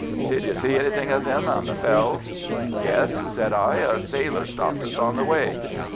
Did you see anything of them on the fells?" "Yes," said I; "a sailor stopped us on the way."